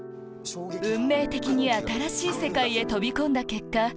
運命的に新しい世界へ飛び込んだ結果